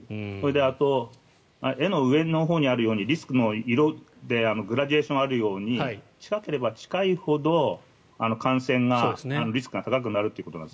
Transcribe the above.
あと、絵の上のほうにあるようにリスクの色でグラデーションがあるように近ければ近いほど感染のリスクが高くなるということです。